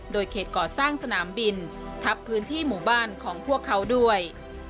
โดยเขตก่อสร้างสนามบินทับพื้นที่หมู่บ้านของพวกเขาด้วย